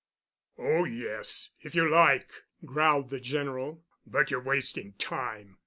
"Oh, yes, if you like," growled the General, "but you're wasting time.